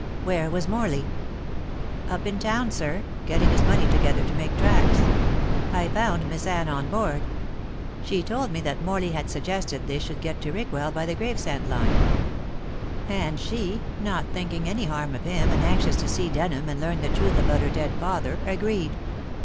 "Where was Morley?" "Up in town, sir, getting his money together to make tracks. I found Miss Anne on board. She told me that Morley had suggested they should get to Rickwell by the Gravesend line, and she, not thinking any harm of him and anxious to see Denham and learn the truth about her dead father, agreed.